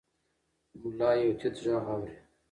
ملا یو تت غږ اوري.